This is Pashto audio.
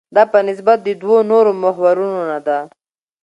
دا په نسبت د دوو نورو محورونو ده.